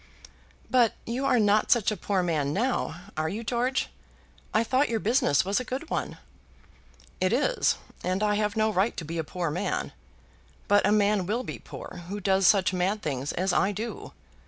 "But you are not such a very poor man now, are you, George? I thought your business was a good one." "It is, and I have no right to be a poor man. But a man will be poor who does such mad things as I do.